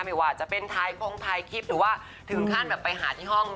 ไม่ว่าจะเป็นถ่ายคงถ่ายคลิปหรือว่าถึงขั้นแบบไปหาที่ห้อง